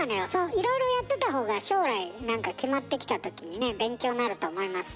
いろいろやってた方が将来なんか決まってきた時にね勉強になると思いますよ。